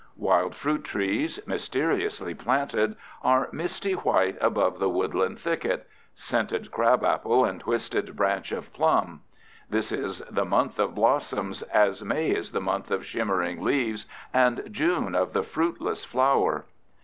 Wild fruit trees, mysteriously planted, are misty white above the woodland thicket—scented crabapple and twisted branch of plum. This is the month of blossoms, as May is the month of shimmering leaves and June of the fruitless flower.